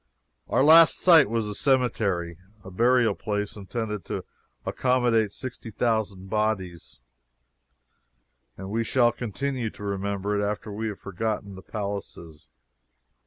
Our last sight was the cemetery (a burial place intended to accommodate 60,000 bodies,) and we shall continue to remember it after we shall have forgotten the palaces.